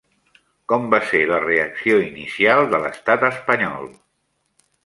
Com va ser la reacció inicial de l'estat espanyol?